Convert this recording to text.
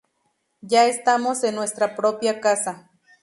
Ya estamos en nuestra propia casa.